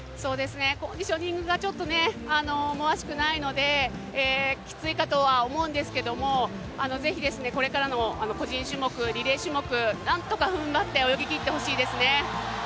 コンディショニングがちょっと思わしくないのできついかとは思うんですけどぜひこれからの個人種目、リレー種目、なんとか踏ん張って泳ぎ切ってほしいですね。